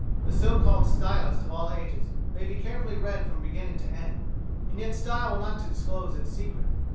The so called stylists of all ages may be carefully read from beginning to end, and yet style will not disclose its secret.